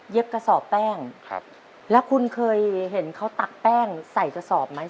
กระสอบแป้งครับแล้วคุณเคยเห็นเขาตักแป้งใส่กระสอบไหม